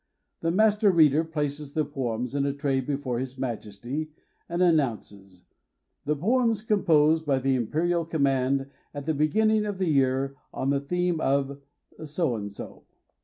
The Master reader places the poems in a tray before his Majesty, and announces, "The poems composed by the imperial command at the begin ning of the year on the theme of" so and so.